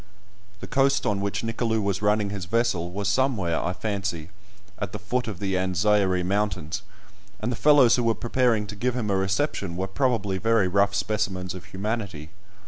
The coast on which Nicolou was running his vessel was somewhere, I fancy, at the foot of the Anzairie Mountains, and the fellows who were preparing to give him a reception were probably very rough specimens of humanity.